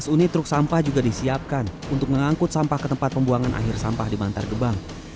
dua belas unit truk sampah juga disiapkan untuk mengangkut sampah ke tempat pembuangan akhir sampah di bantar gebang